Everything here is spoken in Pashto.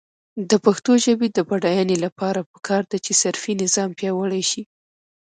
د پښتو ژبې د بډاینې لپاره پکار ده چې صرفي نظام پیاوړی شي.